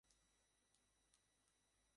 তোর আবার কীসের কাজ?